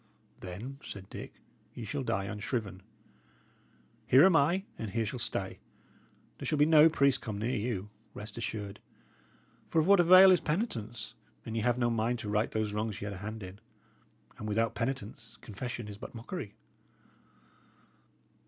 "Then," said Dick, "ye shall die unshriven. Here am I, and here shall stay. There shall no priest come near you, rest assured. For of what avail is penitence, an ye have no mind to right those wrongs ye had a hand in? and without penitence, confession is but mockery."